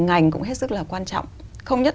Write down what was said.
ngành cũng hết sức là quan trọng không nhất